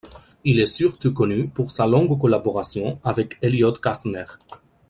Il est surtout connu pour sa longue collaboration avec Elliott Kastner.